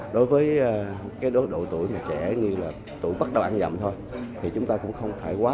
đối với cái độ tuổi mà trẻ như là tuổi bắt đầu ăn nhậm thôi thì chúng ta cũng không phải quá